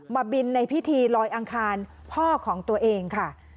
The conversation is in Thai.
มาบินในพิธีลอยอังคารพ่อของตัวเองค่ะ